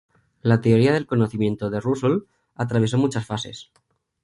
La teoría del conocimiento de Russell atravesó muchas fases.